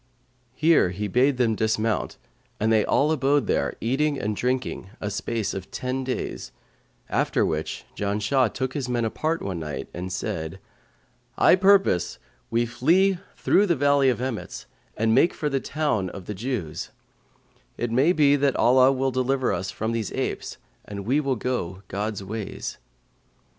Here he bade them dismount and they all abode there, eating and drinking a space of ten days, after which Janshah took his men apart one night and said, 'I purpose we flee through the Valley of Emmets and make for the town of the Jews; it may be Allah will deliver us from these apes and we will go God's ways.'